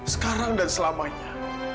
sekarang dan selamanya